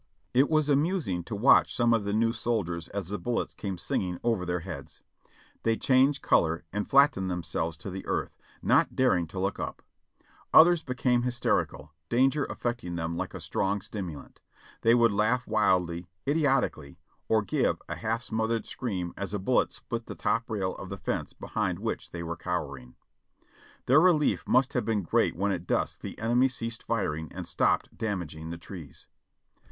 It was amusing to watch some of the new soldiers as the bullets came singing over their heads : they changed color and flattened themselves to the earth, not daring to look up. Others became hysterical, danger affecting them like a strong stimulant. They would laugh wildly, idiotically, or give a half smothere I THE BATTLE OE THE WILDERNESS 535 scream as a bullet split the top rail of the fence behind which they were cowering. Their relief must have been great when at dusk the enemy ceased firing and stopped damaging the trees.